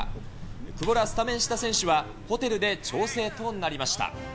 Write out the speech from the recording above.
久保らスタメンした選手はホテルで調整となりました。